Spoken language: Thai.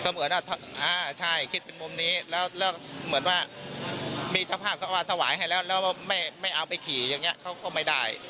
มีภาพก็ออกมาถวายให้แล้วแล้วมันไม่เอาไปขี่แบบนี้เขาก็ไม่ได้